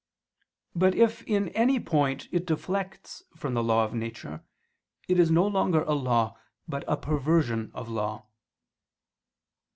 But if in any point it deflects from the law of nature, it is no longer a law but a perversion of law.